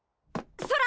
ソラ！